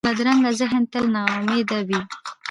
بدرنګه ذهن تل ناامیده وي